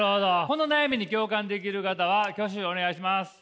この悩みに共感できる方は挙手お願いします。